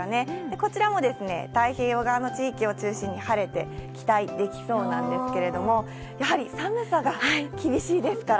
こちらも太平洋側の地域を中心に晴れて、期待できそうなんですけれども、やはり寒さが厳しいですから。